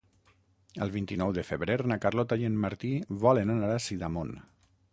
El vint-i-nou de febrer na Carlota i en Martí volen anar a Sidamon.